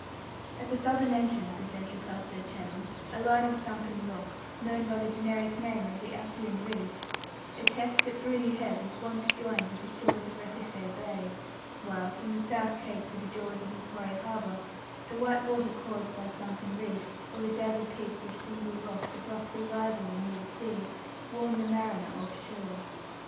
At the southern entrance of D'Entrecasteaux Channel, a line of sunken rocks, known by the generic name of the Actaeon reef, attests that Bruny Head was once joined with the shores of Recherche Bay; while, from the South Cape to the jaws of Macquarie Harbour, the white water caused by sunken reefs, or the jagged peaks of single rocks abruptly rising in mid sea, warn the mariner off shore.